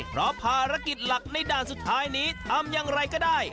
เพราะภารกิจหลักในด่านสุดท้ายนี้ทำอย่างไรก็ได้